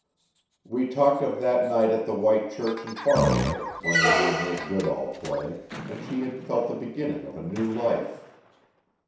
We talked of that night at the White Church in Faraway when we heard Nick Goodall play and she had felt the beginning of a new life.